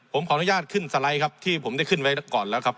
ผมขออนุญาตขึ้นสไลด์ครับที่ผมได้ขึ้นไว้ก่อนแล้วครับ